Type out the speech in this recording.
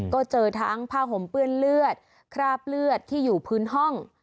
ก็เจอทั้งผ้าห่มเปื้อนเลือดคราบเลือดที่อยู่พื้นห้อง